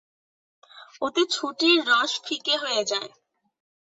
ওতে ছুটির রস ফিকে হয়ে যায়।